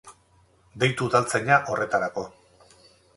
Deitu udaltzaina, horretarako.